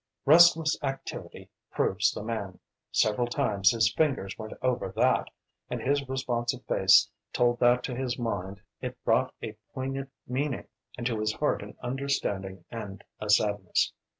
"Restless activity proves the man!" several times his fingers went over that, and his responsive face told that to his mind it brought a poignant meaning, and to his heart an understanding and a sadness.